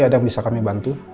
ada yang bisa kami bantu